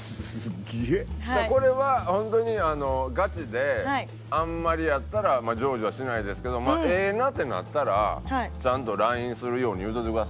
これは本当にガチであんまりやったら成就はしないですけど「ええな」ってなったらあっそうですね。